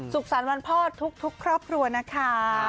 สุขสำนวนพ่อทุกครอบครัวนะคะ